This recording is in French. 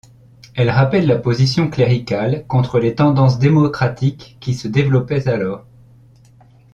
Elle rappelle la position cléricale contre les tendances démocratiques qui se développaient alors.